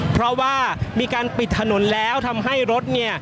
ก็น่าจะมีการเปิดทางให้รถพยาบาลเคลื่อนต่อไปนะครับ